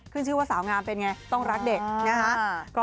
ขึ้นชื่อว่าสาวงามเป็นไงต้องรักเด็กนะคะ